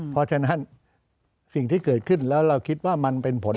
เพราะฉะนั้นสิ่งที่เกิดขึ้นแล้วเราคิดว่ามันเป็นผล